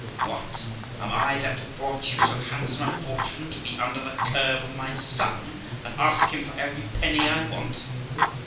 What! Am I, that brought you so handsom* a fortune, to be under the curb of my son, and ask him for every penny I want?